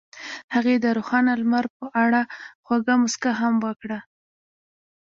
هغې د روښانه لمر په اړه خوږه موسکا هم وکړه.